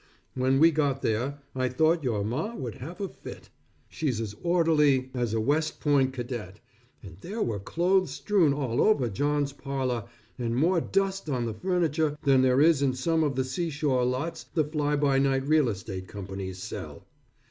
When we got there, I thought your Ma would have a fit. She's as orderly as a West Point Cadet, and there were clothes strewn all over John's parlor, and more dust on the furniture, than there is in some of the seashore lots the fly by night real estate companies sell.